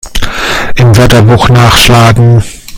Im Wörterbuch nachschlagen!